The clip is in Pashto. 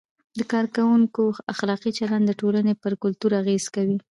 د کارکوونکو اخلاقي چلند د ټولنې پر کلتور اغیز کوي.